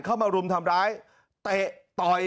มารุมทำร้ายเตะต่อย